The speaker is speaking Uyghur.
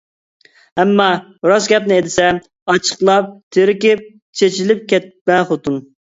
ئەمما راست گەپنى دېسەم ئاچچىقلاپ تېرىكىپ چېچىلىپ كەتمە خوتۇن.